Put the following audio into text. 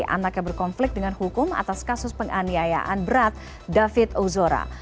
anaknya berkonflik dengan hukum atas kasus penganiayaan berat david ozora